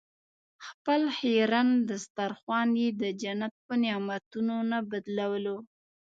خپل خیرن دسترخوان یې د جنت په نعمتونو نه بدلولو.